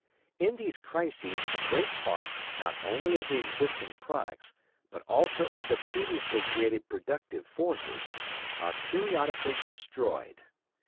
In these crises a great part not only of the existing products, but also of the previously created productive forces, are periodically destroyed.